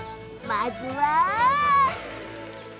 まずは。